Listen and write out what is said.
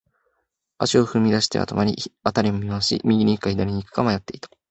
足を踏み出しては止まり、辺りを見回し、右に行くか、左に行くか迷っていた。